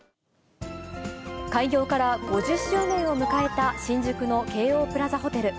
開業から５０周年を迎えた新宿の京王プラザホテル。